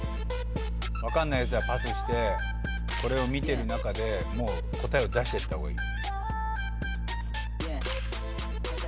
分かんないやつはパスしてこれを見てる中でもう答えを出してった方がいい。